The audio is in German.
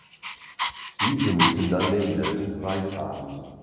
Diese müssen dann denselben Preis haben.